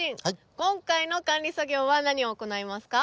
今回の管理作業は何を行いますか？